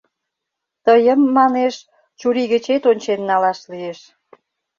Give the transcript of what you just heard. Тыйым, манеш, чурий гычет ончен налаш лиеш.